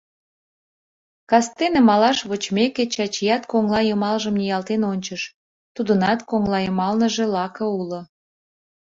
Кастене, малаш вочмеке, Чачият коҥла йымалжым ниялтен ончыш, тудынат коҥлайымалныже лаке уло.